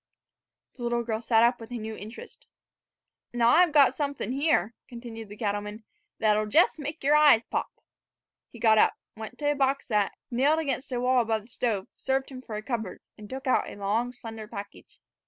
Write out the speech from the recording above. The little girl sat up with a new interest. "Now I've got sunthin' here," continued the cattleman, "thet'll jes make yer eyes pop." He got up, went to a box that, nailed against the wall above the stove, served him for a cupboard, and took out a long, slender package.